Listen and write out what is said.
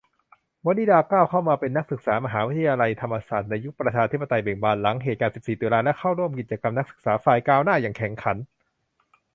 วนิดาก้าวเข้ามาเป็นนักศึกษามหาวิทยาลัยธรรมศาสตร์ในยุคประชาธิปไตยเบ่งบาน หลังเหตุการณ์ สิบสี่ ตุลา และเข้าร่วมกิจกรรม นักศึกษาฝ่ายก้าวหน้าอย่างแข็งขัน